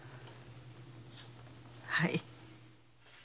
はい。